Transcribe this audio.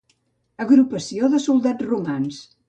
Agrupació de Soldats Romans.